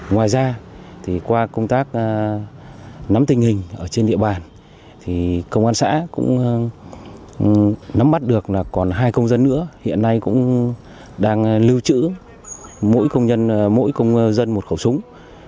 ngoài ra thì qua công tác nắm tình hình ở trên địa bàn thì công an xã cũng nắm mắt được là còn hai công dân nữa hiện nay cũng đang lưu trữ mỗi công dân một khẩu súng